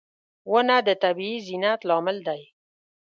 • ونه د طبیعي زینت لامل دی.